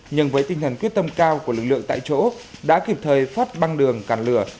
nhưng với tinh thần quyết tâm cao của lực lượng tại chỗ đã kịp thời phát băng đường cản lửa